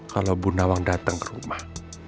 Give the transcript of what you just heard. kalau bu nawang datang ke rumah